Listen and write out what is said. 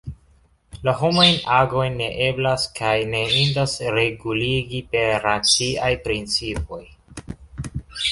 La homajn agojn ne eblas kaj ne indas reguligi per raciaj principoj.